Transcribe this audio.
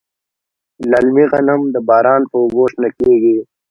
للمي غنم د باران په اوبو شنه کیږي.